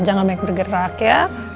jangan banyak bergerak ya